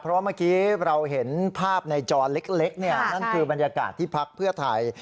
เพราะว่าเมื่อกี้เราเห็นภาพในจอเล็กนั่นคือบรรยากาศที่พักเพื่อไทย